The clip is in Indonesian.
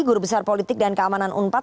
guru besar politik dan keamanan unpad